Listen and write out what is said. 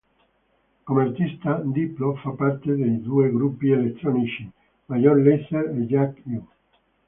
Come artista, Diplo, fa parte dei due gruppi elettronici Major Lazer e Jack Ü.